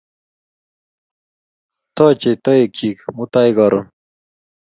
Tochei toek chik mutai karon